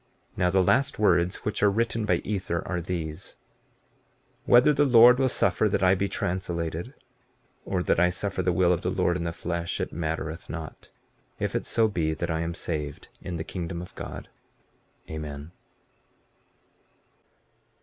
15:34 Now the last words which are written by Ether are these: Whether the Lord will that I be translated, or that I suffer the will of the Lord in the flesh, it mattereth not, if it so be that I am saved in the kingdom of God. Amen.